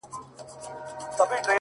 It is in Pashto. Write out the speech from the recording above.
لاس يې د ټولو کايناتو آزاد! مړ دي سم!